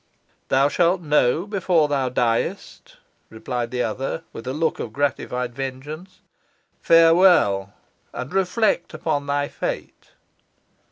"Thou shalt know before thou diest," replied the other, with a look of gratified vengeance. "Farewell, and reflect upon thy fate."